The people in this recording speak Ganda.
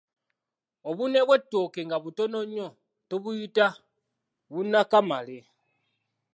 Obunwe bw’ettooke nga butono nnyo tubuyita Bunakamale.